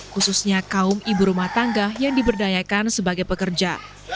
khususnya kaum ibu rumah tangga yang diberdayakan sebagai pekerja